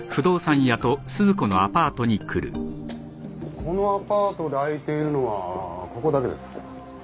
このアパートで空いているのはここだけです。